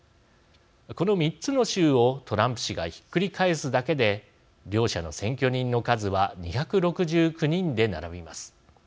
この３つの州をトランプ氏がひっくり返すだけで両者の選挙人の数は２６９人で並びます。